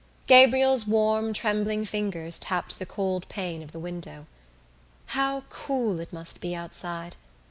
Gabriel's warm trembling fingers tapped the cold pane of the window. How cool it must be outside!